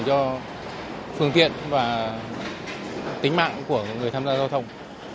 cho phương tiện và tính mạng của người tham gia giao thông